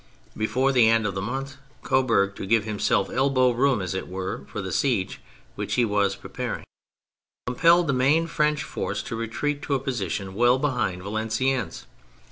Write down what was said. Before the end of the month, Coburg, to give himself elbow room, as it were, for the sieges which he was preparing, compelled the main French force to retreat to a position well behind Valenciennes.